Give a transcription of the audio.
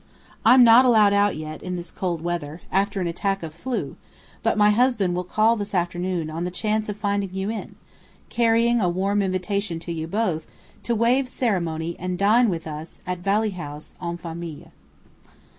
I'm not allowed out yet, in this cold weather, after an attack of "flu"; but my husband will call this afternoon on the chance of finding you in, carrying a warm invitation to you both to "waive ceremony" and dine with us at Valley House en famille.